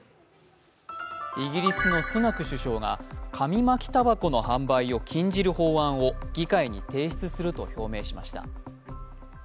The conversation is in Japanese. イギリスのスナク首相が紙巻きたばこの販売を禁じる法案を議会に提出すると表明しました。